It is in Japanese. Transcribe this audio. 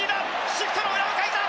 シフトの裏をかいた！